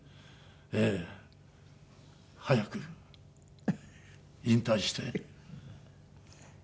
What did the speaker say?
ええ。早く引退して。